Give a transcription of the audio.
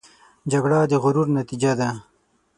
جګړه د غرور نتیجه ده